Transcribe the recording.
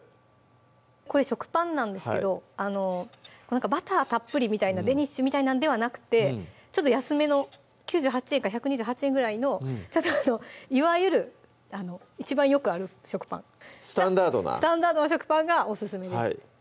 これ食パンなんですけどバターたっぷりみたいなデニッシュみたいなんではなくてちょっと安めの９８円か１２８円ぐらいのちょっといわゆる一番よくある食パンスタンダードなスタンダードな食パンがオススメです